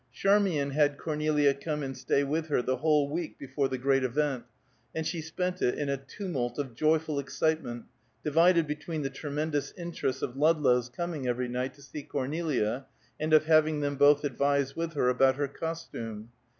Charmian had Cornelia come and stay with her the whole week before the great event, and she spent it in a tumult of joyful excitement divided between the tremendous interests of Ludlow's coming every night to see Cornelia, and of having them both advise with her about her costume.